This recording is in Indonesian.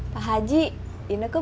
pak haji ini kok boleh nanya enggak